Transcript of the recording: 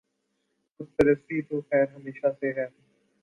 بت پرستی تو خیر ہمیشہ سے ہی